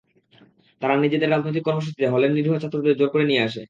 তারা নিজেদের রাজনৈতিক কর্মসূচিতে হলের নিরীহ ছাত্রদের জোর করে নিয়ে আসে।